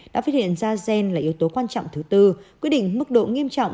đã phát hiện da gen là yếu tố quan trọng thứ tư quyết định mức độ nghiêm trọng